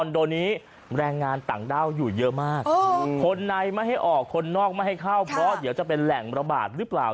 เดี๋ยวจะเป็นแหล่งระบาดหรือเปล่า